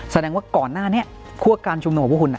แสดงว่าก่อนหน้านี้พวกการชุมนุมของพวกคุณ